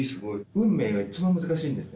『運命』が一番難しいんですよ